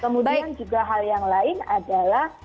kemudian juga hal yang lain adalah